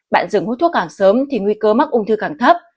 bạn dừng hút thuốc càng sớm thì nguy cơ mắc ung thư càng thấp